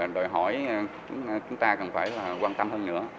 đòi hỏi chúng ta cần phải quan tâm hơn nữa